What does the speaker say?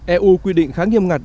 eu quy định khá nghiêm ngặt